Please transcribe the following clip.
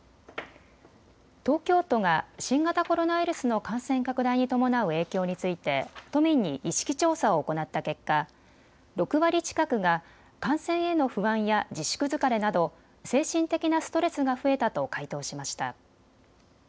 東京都が新型コロナウイルスの感染拡大に伴う影響について都民に意識調査を行った結果、６割近くが感染への不安や自粛疲れなど精神的なストレスが増えたと回答しました。